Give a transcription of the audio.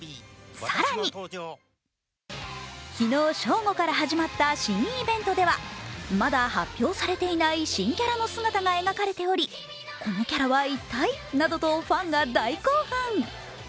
更に昨日正午から始まった新イベントではまだ発表されていない新キャラの姿が描かれており、このキャラはら一体？などとファンが大興奮。